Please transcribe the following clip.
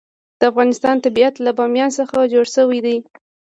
د افغانستان طبیعت له بامیان څخه جوړ شوی دی.